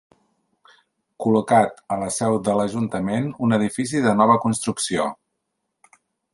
Col·locat a la seu de l'Ajuntament, un edifici de nova construcció.